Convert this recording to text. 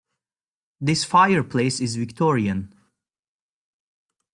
This fireplace is Victorian.